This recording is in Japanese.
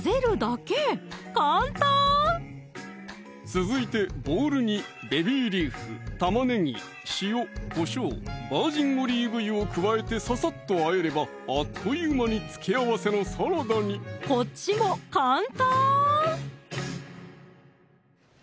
続いてボウルにベビーリーフ・玉ねぎ・塩・こしょう・バージンオリーブ油を加えてささっとあえればあっという間に付け合わせのサラダにこっちもかんたーん！